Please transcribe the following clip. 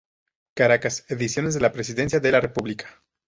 Caracas: Ediciones de la Presidencia de la República.